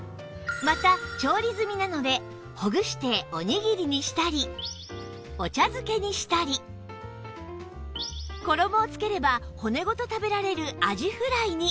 また調理済なのでほぐしておにぎりにしたりお茶漬けにしたり衣をつければ骨ごと食べられるあじフライに